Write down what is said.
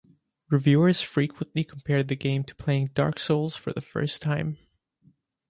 Reviewers frequently compared the game to playing "Dark Souls" for the first time.